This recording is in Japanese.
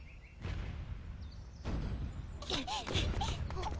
あっ。